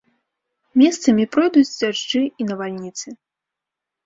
Месцамі пройдуць дажджы і навальніцы.